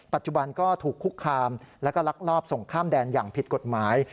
ปัจจุบันก็ถูกคุกคามแล้วก็ลักลอบส่งข้ามแดนอย่างผิดกฎหมาย